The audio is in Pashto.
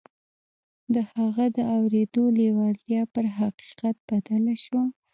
د هغه د اورېدو لېوالتیا پر حقيقت بدله شوه.